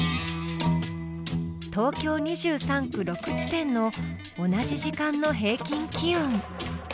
東京２３区６地点の同じ時間の平均気温。